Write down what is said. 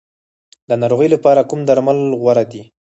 د ناروغۍ لپاره کوم درمل غوره دي؟